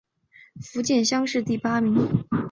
福建乡试第八名。